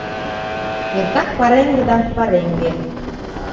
Эртак пареҥге да пареҥге.